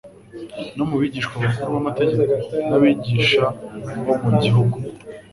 no mu bigisha bakuru b’amategeko, n’abigisha bo mu gihugu.